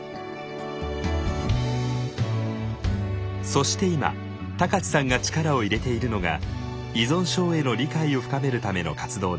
そして今高知さんが力を入れているのが依存症への理解を深めるための活動です。